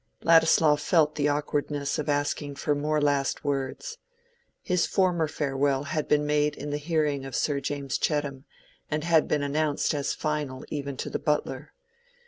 Ladislaw felt the awkwardness of asking for more last words. His former farewell had been made in the hearing of Sir James Chettam, and had been announced as final even to the butler.